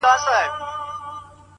سپوږمۍ ترې وشرمېږي او الماس اړوي سترگي,